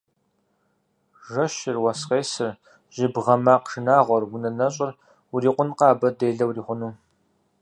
Жэщыр, уэс къесыр, жьыбгъэ макъ шынагъуэр, унэ нэщӏыр – урикъункъэ абы делэ урихъукӏыну!